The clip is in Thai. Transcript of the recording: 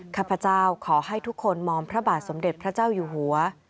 ข้าพเจ้าขอให้ทุกคนมองพระบาทสมเด็จพระเจ้าอยู่หัว